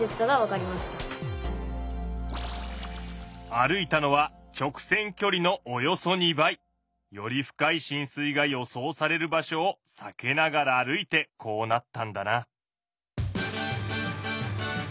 歩いたのは直線きょりのおよそ２倍。より深いしん水が予想される場所を避けながら歩いてこうなったんだな。